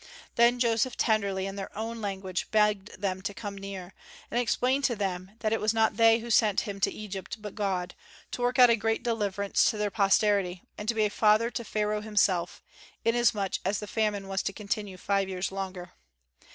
Then Joseph tenderly, in their own language, begged them to come near, and explained to them that it was not they who sent him to Egypt, but God, to work out a great deliverance to their posterity, and to be a father to Pharaoh himself, inasmuch as the famine was to continue five years longer.